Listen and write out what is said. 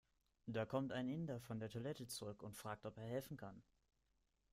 Da kommt ein Inder von der Toilette zurück und fragt, ob er helfen kann.